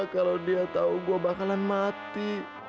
kalau dia tahu gue bakalan mati